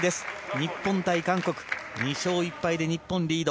日本対韓国２勝１敗で日本がリード。